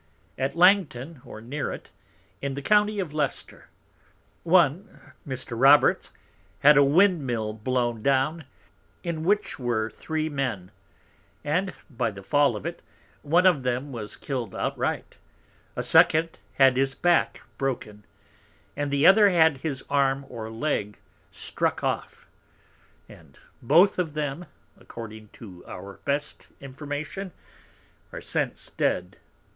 At Langton, or near to it, in the County of Leicester, one Mr. Roberts had a Wind mill blown down, in which were three Men; and by the Fall of it, one of them was killed outright, a second had his Back broken, and the other had his Arm or Leg struck off; and both of them (according to our best Information) are since dead.